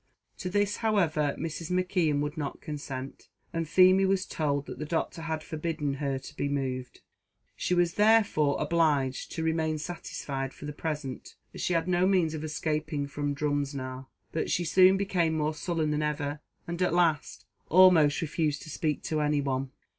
To this, however, Mrs. McKeon would not consent, and Feemy was told that the doctor had forbidden her to be moved. She was, therefore, obliged to remain satisfied for the present, as she had no means of escaping from Drumsna; but she soon became more sullen than ever and, at last, almost refused to speak to any one.